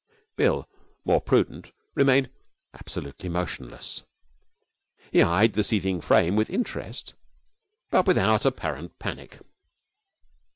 Bill, more prudent, remained absolutely motionless. He eyed the seething frame with interest, but without apparent panic.